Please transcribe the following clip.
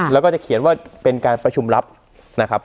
แล้วก็จะเขียนว่าเป็นการประชุมลับนะครับ